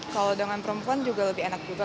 kalau dengan perempuan juga lebih enak juga